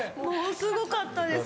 すごかったです。